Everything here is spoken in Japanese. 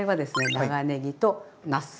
長ねぎとなす。